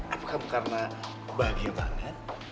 apa kamu karena bahagia banget